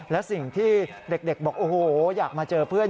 และสิ่งที่เด็กบอกโอ้โหอยากมาเจอเพื่อน